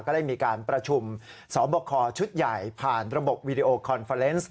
ได้มีการประชุมสอบคอชุดใหญ่ผ่านระบบวีดีโอคอนเฟอร์เนส